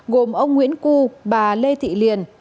gồm ông nguyễn cưu bà lê thị liền